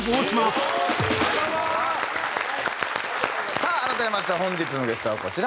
さあ改めまして本日のゲストはこちらのお三方